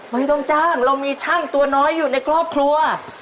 ไม่ต้องจ้างเรามีช่างตัวน้อยอยู่ในครอบครัว